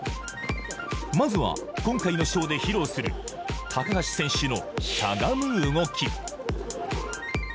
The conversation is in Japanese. まずは、今回のショーで披露する高橋選手のしゃがむ動き。